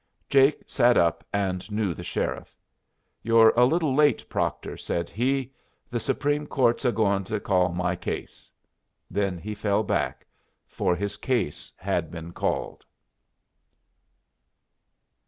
Jake sat up and knew the sheriff. "You're a little late, Proctor," said he. "The Supreme Court's a goin' to call my case." Then he fell back, for his case had been called.